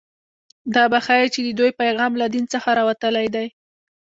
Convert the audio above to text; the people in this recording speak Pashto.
دا به ښيي چې د دوی پیغام له دین څخه راوتلی دی